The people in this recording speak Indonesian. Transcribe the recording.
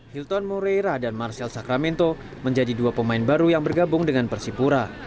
hilton moreira dan marcel sakramento menjadi dua pemain baru yang bergabung dengan persipura